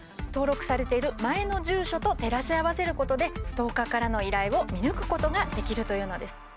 登録されている前の住所と照らし合わせることでストーカーからの依頼を見抜くことができるというのです。